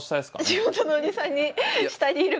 「地元のおじさん」の下にいる方かな。